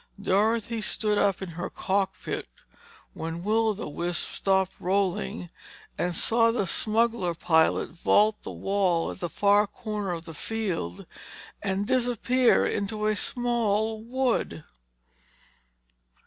Dorothy stood up in her cockpit when Will o' the Wisp stopped rolling and saw the smuggler pilot vault the wall at the far corner of the field and disappear into a small wood.